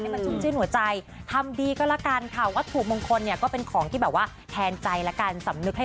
นี่มันชุดชื่นหัวใจ